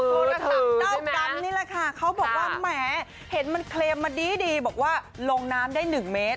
โทรศัพท์เจ้ากรรมนี่แหละค่ะเขาบอกว่าแหมเห็นมันเคลมมาดีบอกว่าลงน้ำได้๑เมตร